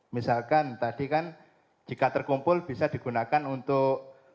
misalkan tadi kan jika terkumpul bisa digunakan untuk